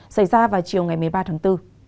xảy ra vào chiều ngày một mươi ba tháng bốn